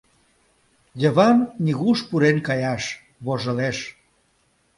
Йыван нигуш пурен каяш — вожылеш...